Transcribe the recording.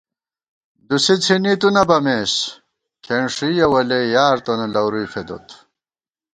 دُسی څھِنی تُو نہ بَمېس ، کھېنݭُوئیَہ وَلیَئی یار تونہ لَورُوئی فېدوت